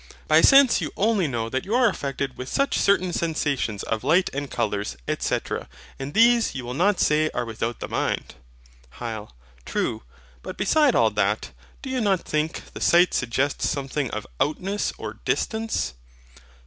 By sense you only know that you are affected with such certain sensations of light and colours, &c. And these you will not say are without the mind. HYL. True: but, beside all that, do you not think the sight suggests something of OUTNESS OR DISTANCE?